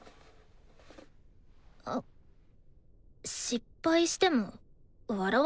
あっ失敗しても笑わないでよね。